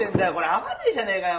合わねえじゃねえかよ